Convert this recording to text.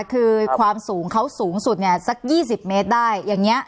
คือความสูงเขาสูงสุดเนี่ยสักยี่สิบเมตรได้อย่างเงี้